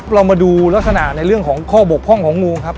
เรามาดูลักษณะในเรื่องของข้อบกพร่องของงูครับ